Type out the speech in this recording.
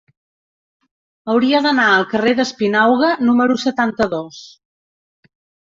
Hauria d'anar al carrer d'Espinauga número setanta-dos.